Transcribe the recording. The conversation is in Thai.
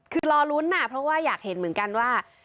คือรอลุ้นนะเพราะว่าอยากเห็นเหมือนกันว่า